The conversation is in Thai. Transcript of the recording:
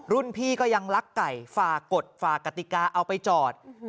พี่ก็ยังลักไก่ฝากกฎฝ่ากติกาเอาไปจอด